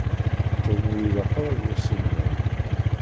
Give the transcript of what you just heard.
Tom ur ilaq ara d aselmad.